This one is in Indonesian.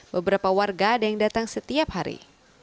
beberapa warga ada yang datang setiap hari